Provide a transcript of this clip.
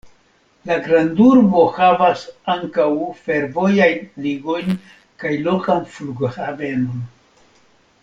La grandurbo havas ankaŭ fervojajn ligojn kaj lokan flughavenon.